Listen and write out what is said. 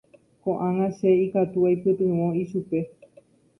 Ko'ág̃a che ikatu aipytyvõ ichupe.